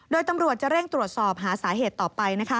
โดยตำรวจจะเร่งตรวจสอบหาสาเหตุต่อไปนะคะ